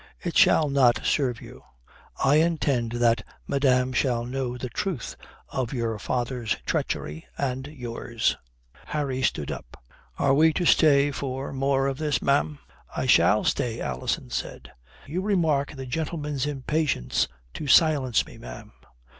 It shall not serve you. I intend that madame shall know the truth of your father's treachery and yours." Harry stood up. "Are we to stay for more of this, ma'am?" "I shall stay," Alison said. "You remark the gentleman's impatience to silence me, ma'am.